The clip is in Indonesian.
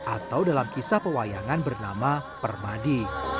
atau dalam kisah pewayangan bernama permadi